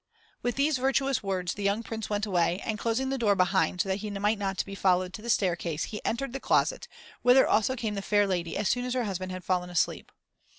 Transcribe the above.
With these virtuous words the young Prince went away, and, closing the door behind him so that he might not be followed to the staircase, he entered the closet, whither also came the fair lady as soon as her husband had fallen asleep.